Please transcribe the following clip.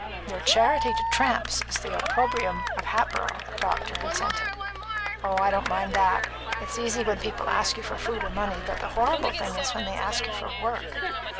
"Your charity to tramps is the opprobrium of Hatboro'," the doctor consented. "Oh, I don't mind that. It's easy when people ask you for food or money, but the horrible thing is when they ask you for work.